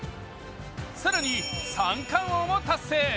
更に三冠王も達成。